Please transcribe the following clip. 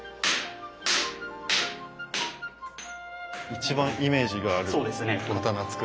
一番イメージがある刀つくる。